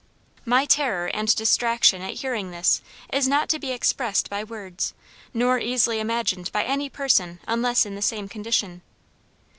My terror and distraction at hearing this is not to be expressed by words nor easily imagined by any person unless in the same condition.